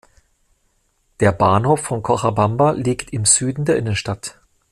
Der Bahnhof von Cochabamba liegt im Süden der Innenstadt.